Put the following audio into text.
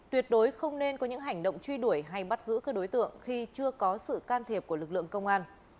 tuyệt đối không nên có những hành động truy đuổi hay bắt giữ các đối tượng khi chưa có sự can thiệp của lực lượng công an